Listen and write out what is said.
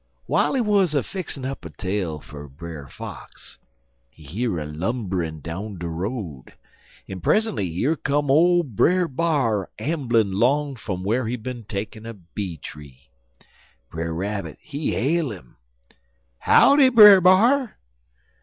W'ile he wuz a fixin' up a tale fer Brer Fox, he hear a lumberin' down de road, en present'y yer cum ole Brer B'ar amblin' 'long fum whar he bin takin' a bee tree. Brer Rabbit, he hail 'im: "'Howdy, Brer B'ar!'